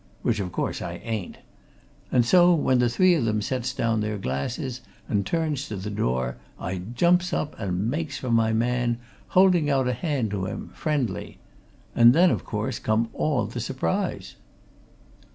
Which, of course, I ain't. And so, when the three of 'em sets down their glasses and turns to the door, I jumps up and makes for my man, holding out a hand to him, friendly. And then, of course, come all the surprise!"